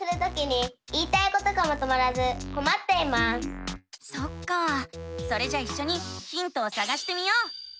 わたしはそっかあそれじゃあいっしょにヒントをさがしてみよう！